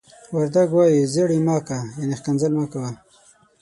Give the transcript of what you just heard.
وردگ وايي: "زيَړِ مَ کَ." يعنې ښکنځل مه کوه.